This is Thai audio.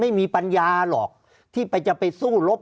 ภารกิจสรรค์ภารกิจสรรค์